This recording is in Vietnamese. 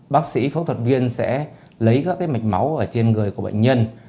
bác sĩ phẫu thuật viên sẽ lấy các cái mạch máu ở trên người của bệnh nhân